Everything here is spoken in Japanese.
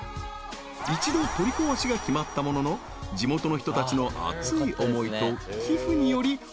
［一度取り壊しが決まったものの地元の人たちの熱い思いと］